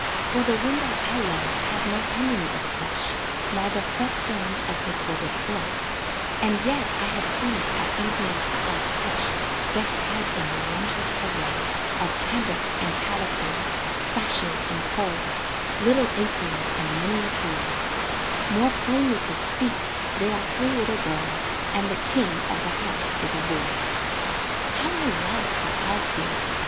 For the window I love has no hangings of plush, Neither festooned as if for display, And yet I have seen it at evening's soft hush Decked out in a wond'rous array Of cambrics and calicoes, sashes and curls, Little aprons and many a toy More plainly to speak there are three little girls, And the king of the house is a boy. How I love to halt here!